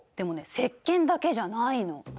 せっけんだけじゃないの。